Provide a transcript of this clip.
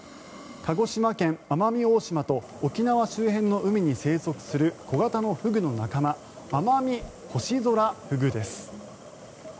鹿児島県・奄美大島と沖縄周辺の海に生息する小型のフグの仲間アマミホシゾラフグです。